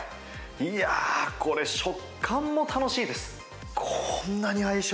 いやー、これ、食感も楽しいです。